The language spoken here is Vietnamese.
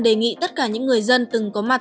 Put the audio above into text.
đề nghị tất cả những người dân từng có mặt